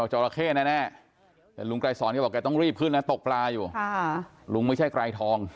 โอ้โหนี่ถามดูได้เนี่ยเขาถ่ายรูปไว้นี่